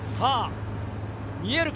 見えるか？